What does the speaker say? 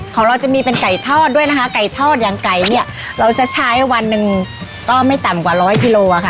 ของเราจะมีเป็นไก่ทอดด้วยนะคะไก่ทอดอย่างไก่เนี่ยเราจะใช้วันหนึ่งก็ไม่ต่ำกว่าร้อยกิโลอ่ะค่ะ